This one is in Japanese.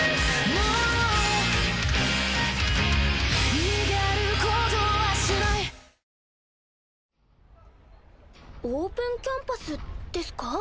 もう逃げることはしないオープンキャンパスですか？